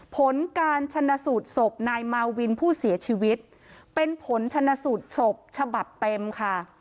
ผลการชนะสูตรศพนายมาวินผู้เสียชีวิตเป็นผลชนสูตรศพฉบับเต็มค่ะ